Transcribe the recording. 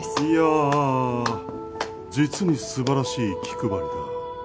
いや実にすばらしい気配りだ。